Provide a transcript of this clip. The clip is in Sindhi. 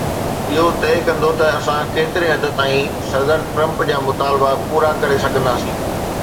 اهو طئي ڪندو ته اسان ڪيتري حد تائين صدر ٽرمپ جا مطالبا پورا ڪري سگهنداسين.